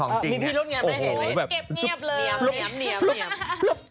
เก็บเงียบเลย